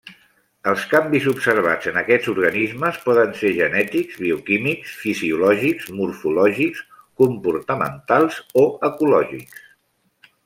Els canvis observats en aquests organismes, poden ser genètics, bioquímics, fisiològics, morfològics, comportamentals o ecològics.